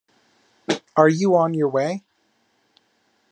Are you on your way?